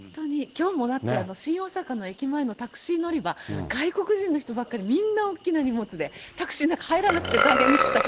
きょうもだって、新大阪の駅前のタクシー乗り場、外国人の人ばっかり、みんな大きい荷物で、タクシーの中入らなくて、大変でしたよ。